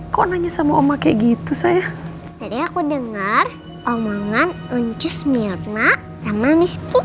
kok nanya sama omak kayak gitu saya jadi aku dengar omongan unjus mirna sama miskin